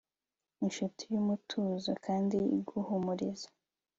inshuti yumutuzo, kandi iguhumuriza